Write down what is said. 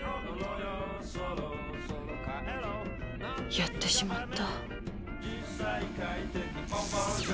やってしまった。